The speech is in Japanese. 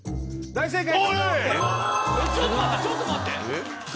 大正解。